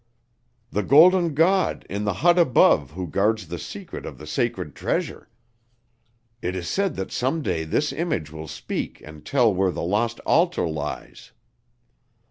"The Golden God in the hut above who guards the secret of the sacred treasure. It is said that some day this image will speak and tell where the lost altar lies."